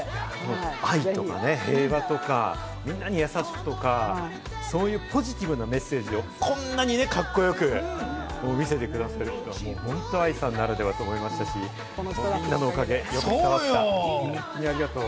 愛とか平和とか、みんなに優しくとか、ポジティブなメッセージをこんなにカッコよく見せて下さる、本当にＡＩさんならではだと思いますし、みんなのおかげ、よかったよかった、ありがとう。